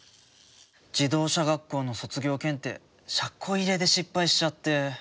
自動車学校の卒業検定車庫入れで失敗しちゃって。